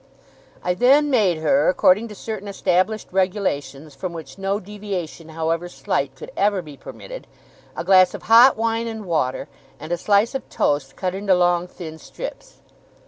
I then made her, according to certain established regulations from which no deviation, however slight, could ever be permitted, a glass of hot wine and water, and a slice of toast cut into long thin strips.